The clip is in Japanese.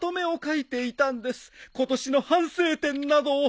今年の反省点などを。